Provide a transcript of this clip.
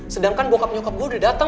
sedangkan bokap nyokap gue udah dateng